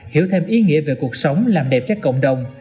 hiểu thêm ý nghĩa về cuộc sống làm đẹp cho cộng đồng